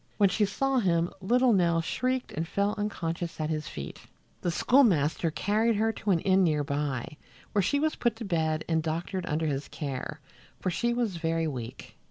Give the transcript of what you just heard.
When she saw him little Nell shrieked and fell unconscious at his feet. The schoolmaster carried her to an inn near by, where she was put to bed and doctored under his care, for she was very weak.